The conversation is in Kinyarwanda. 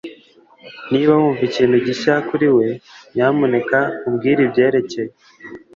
Niba wumva ikintu gishya kuri we, nyamuneka umbwire ibyerekeye